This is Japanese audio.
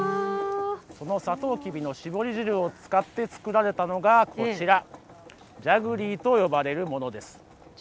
そのサトウキビの搾り汁を使って作られたのがジャグリーと呼ばれるものです。